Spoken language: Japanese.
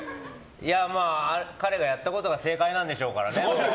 いやあ、彼がやったことが正解なんでしょうからね。